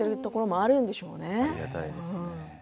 ありがたいですね。